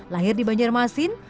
lahir di banjarmasin